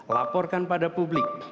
laporkan pada publik